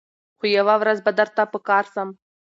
خو یوه ورځ به درته په کار سم